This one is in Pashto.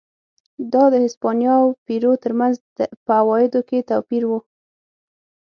دا د هسپانیا او پیرو ترمنځ په عوایدو کې توپیر و.